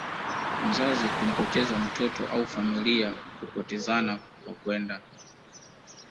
mzazi kumpoteza mtoto au familia kupotezana kwa kwenda